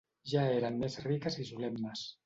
Ja eren més riques i solemnes.